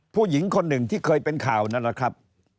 ผู้หญิงคนหนึ่งที่เคยเป็นข่าวนั่นแหละครับ